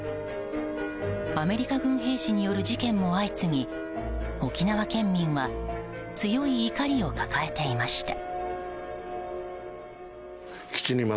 アメリカ軍兵士による事件も相次ぎ沖縄県民は強い怒りを抱えていました。